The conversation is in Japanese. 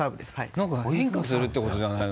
何か変化するってことじゃないの？